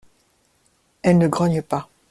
Elles ne grognent pas.